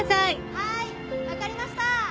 はいわかりました！